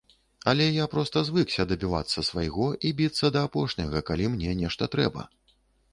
Але я проста звыкся дабівацца свайго і біцца да апошняга, калі мне нешта трэба.